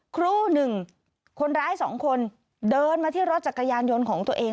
ครูหนึ่งคนร้ายสองคนเดินมาที่รถจักรยานยนต์ของตัวเอง